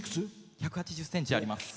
１８０ｃｍあります。